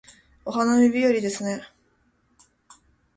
お花見日和ですね